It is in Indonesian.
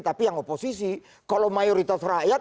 tapi yang oposisi kalau mayoritas rakyat